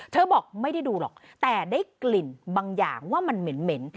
บอกไม่ได้ดูหรอกแต่ได้กลิ่นบางอย่างว่ามันเหม็น